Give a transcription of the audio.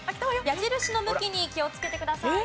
矢印の向きに気をつけてください。